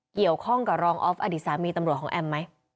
เกี่ยวข้องกับรองออฟอดีตสามีตำรวจของแอมไหม